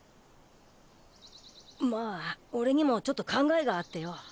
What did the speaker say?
まぁ俺にもちょっと考えがあってよ。